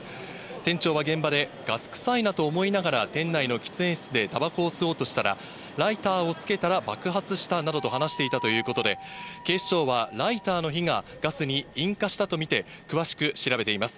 店長は現場でガス臭いなと思いながら、店内の喫煙室でたばこを吸おうとして、ライターをつけたら爆発したなどと話していたということで、警視庁はライターの火がガスに引火したと見て、詳しく調べています。